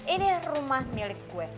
ini rumah milik gue